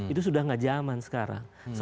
itu sudah gak jaman sekarang